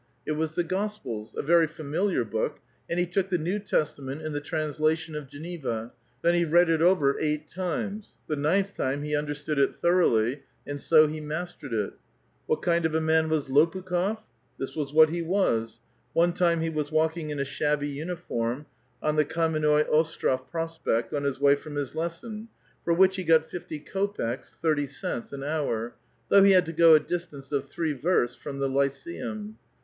It was the Gospels, — a very familiar book ; and he took the New Testament, in the translation of Geneva ; then he read it over eight times ; the ninth time he understood it thoroughly ; and so he mastered it. What kind of a man was Lopukh6f ? This was what he was. One time he was walking in a shabby uniform on the Kammenoi Ostrof Prospekt, on his way from his lesson, for which he got fifty kopeks (thirty cents) an hour, though he had to go a distance of three versts from the lyceum.